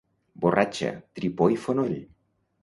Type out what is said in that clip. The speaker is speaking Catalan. Borratja, tripó i fonoll